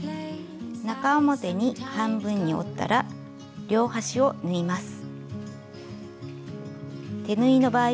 中表に半分に折ったら両端を縫います。